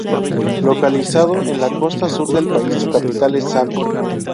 Localizado en la costa sur del país, su capital es Same.